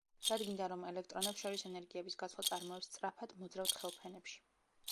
დადგინდა, რომ ელექტრონებს შორის ენერგიების გაცვლა წარმოებს სწრაფად მოძრავ თხელ ფენებში.